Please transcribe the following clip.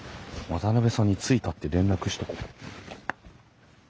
渡さんに着いたって連絡しとこ。